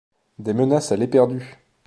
Des menaces à l’éperdu !